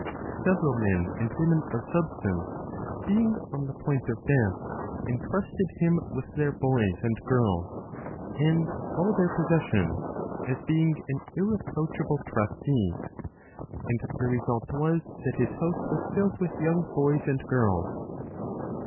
Several men and women of substance, being on the point of death, entrusted him with their boys and girls, and all their possessions, as being an irreproachable trustee; and the result was that his house was filled with young boys and girls.